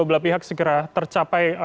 belah pihak segera tercapai